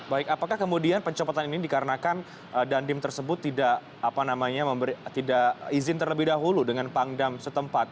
baik apakah kemudian pencopotan ini dikarenakan dandim tersebut tidak izin terlebih dahulu dengan pangdam setempat